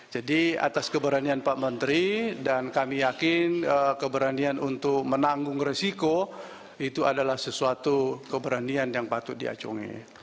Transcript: jadi atas keberanian pak menteri dan kami yakin keberanian untuk menanggung resiko itu adalah sesuatu keberanian yang patut diacungi